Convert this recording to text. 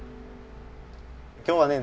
今日はね